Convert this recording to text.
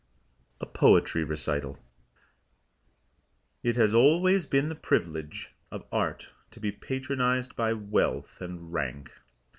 A POETRY RECITAL It has always been the privilege of Art to be patronized by Wealth and Rank.